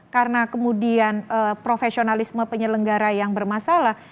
karena kemudian profesionalisme penyelenggara yang bermasalah